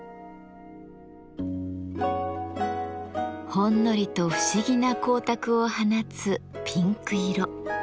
ほんのりと不思議な光沢を放つピンク色。